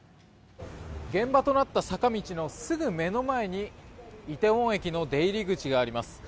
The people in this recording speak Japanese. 現場となった坂道のすぐ目の前に梨泰院駅の出入り口があります。